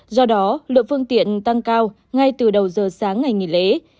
do đó lượng phương tiện tăng cao ngay từ đầu giờ sáng ngày nghỉ lễ